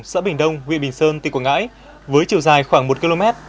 xã bình đông huyện bình sơn tỉnh quảng ngãi với chiều dài khoảng một km